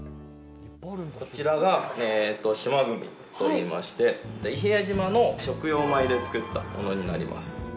こちらが「しまぐみ」といいまして、伊平屋島の食用米でつくったものになります。